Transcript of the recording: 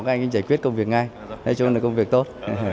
các anh ấy giải quyết công việc ngay cho nên là công việc tốt